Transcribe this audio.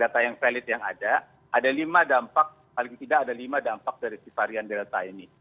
data yang valid yang ada ada lima dampak paling tidak ada lima dampak dari si varian delta ini